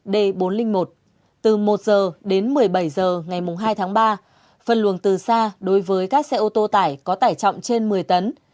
d bốn trăm linh một từ một h đến một mươi bảy h ngày hai tháng ba phân luồng từ xa đối với các xe ô tô tải có tải trọng trên một mươi tấn